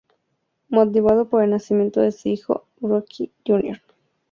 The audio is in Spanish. Motivado por el nacimiento de su hijo Rocky Jr.